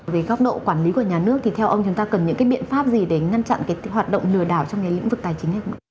về góc độ quản lý của nhà nước thì theo ông chúng ta cần những cái biện pháp gì để ngăn chặn cái hoạt động lừa đảo trong cái lĩnh vực tài chính này không ạ